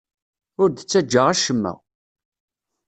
Ur d-ttaǧǧa acemma.